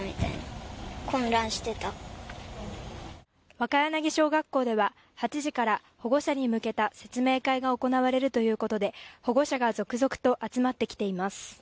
若柳小学校では８時から保護者に向けた説明会が行われるということで保護者が続々と集まってきています。